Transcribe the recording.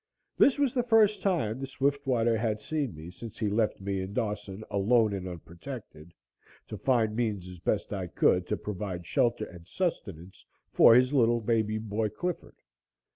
This was the first time that Swiftwater had seen me since he left me in Dawson alone and unprotected, to find means as best I could to provide shelter and sustenance for his little baby boy, Clifford.